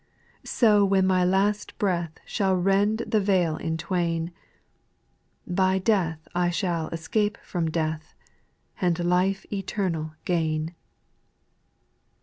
8. So when my latest breath Shall rend the vail in twain, By death I sliall escape from death. And life eternal gain.